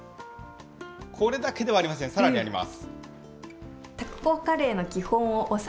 これだけではありません、さらにあります。